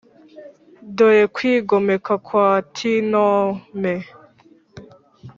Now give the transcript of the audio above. dore kwigomeka kwa ti nomme.